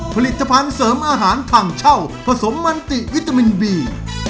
ผลิตภัณฑ์เสริมอาหารถังเช่าผสมมันติวิตามินบี